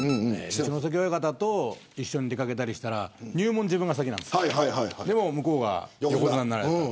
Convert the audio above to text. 親方と一緒に出掛けたりしたら入門は自分が先なんですけどでも、向こうは横綱になられた。